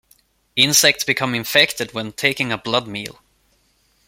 Insects become infected when taking a blood meal.